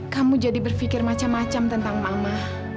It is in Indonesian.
kamu jadi berpikir macam macam tentang mama